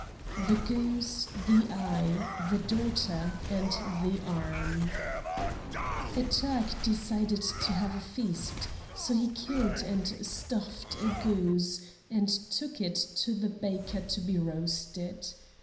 THE GOOSE, THE EYE, THE DAUGHTER, AND THE ARM A Turk decided to have a feast, so he killed and stuffed a goose and took it to the baker to be roasted.